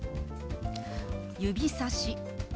「指さし」。